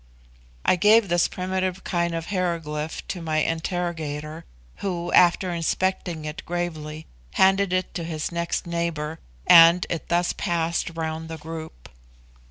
I gave this primitive kind of hieroglyph to my interrogator, who, after inspecting it gravely, handed it to his next neighbour, and it thus passed round the group.